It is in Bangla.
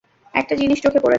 একটা জিনিস চোখে পড়েছে।